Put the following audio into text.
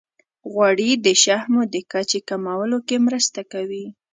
غوړې د شحمو د کچې کمولو کې هم مرسته کوي.